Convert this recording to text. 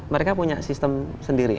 mereka punya sistem sendiri